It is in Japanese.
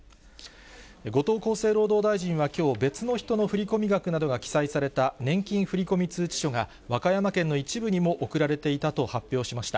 後藤厚生労働大臣はきょう、別の人の振込額などが記載された年金振込通知書が、和歌山県の一部にも送られていたと発表しました。